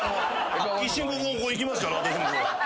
一瞬行きますから私も。